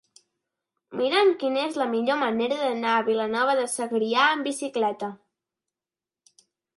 Mira'm quina és la millor manera d'anar a Vilanova de Segrià amb bicicleta.